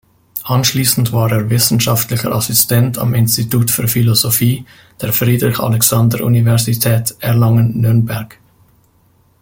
Anschließend war er wissenschaftlicher Assistent am Institut für Philosophie der Friedrich-Alexander-Universität Erlangen-Nürnberg.